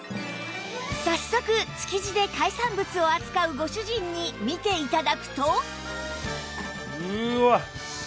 早速築地で海産物を扱うご主人に見て頂くと